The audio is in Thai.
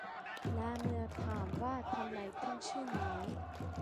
และเมื่อถามว่าทำไมถึงชื่อนี้